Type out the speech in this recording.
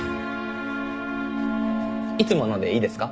いつものでいいですか？